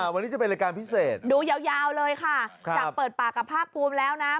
วันนี้จะเป็นรายการพิเศษดูยาวเลยค่ะจากเปิดปากกับภาคภูมิแล้วนะ